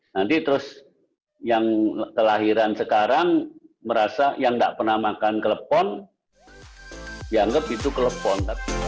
nanti terus yang kelahiran sekarang merasa yang nggak pernah makan klepon dianggap itu klepon